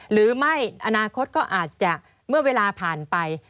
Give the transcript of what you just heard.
หรือไม่อนาคตก็อาจจะเมื่อเวลาผ่านไป